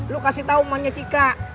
lo kasih tau emangnya cika